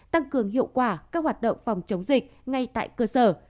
tăng cường hiệu quả các hoạt động phòng chống dịch ngay tại cơ sở